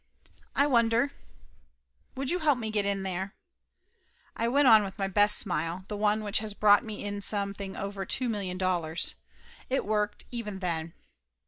"I wonder would you help me get in there?" I went on with my best smile the one which has since brought me in something over two million dollars. It worked, even then.